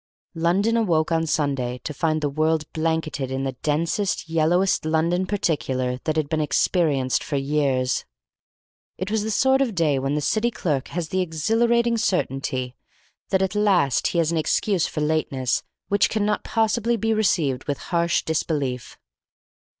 London awoke on Sunday to find the world blanketed in the densest, yellowest London particular that had been experienced for years. It was the sort of day when the City clerk has the exhilarating certainty that at last he has an excuse for lateness which cannot possibly be received with harsh disbelief.